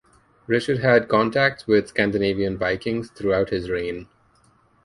Richard had contacts with Scandinavian Vikings throughout his reign.